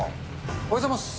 おはようございます。